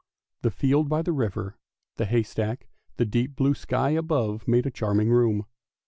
The field by the river, the haystack, and the deep blue sky above made a charming room.